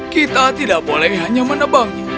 kita tidak boleh hanya menebang